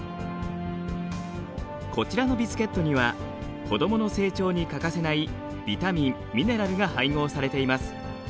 こちらのビスケットには子どもの成長に欠かせないビタミンミネラルが配合されています。